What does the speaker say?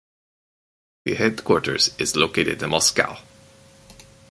The headquarters is located in Moscow.